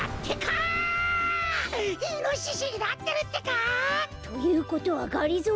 イノシシになってるってか！？ということはがりぞー